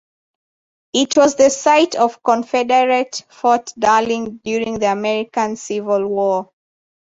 It was the site of Confederate Fort Darling during the American Civil War.